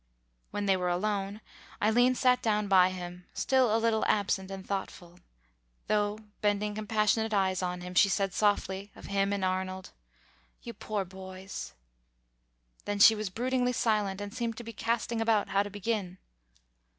When they were alone, Eileen sat down by him, still a little absent and thoughtful, though, bending compassionate eyes on him, she said softly, of him and Arnold, "You poor boys...." Then she was broodingly silent, and seemed to be casting about how to begin.